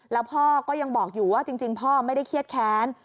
แล้วพ่อก็ยังบอกอยู่ว่าจริงพ่อไม่ได้เครียดแค้น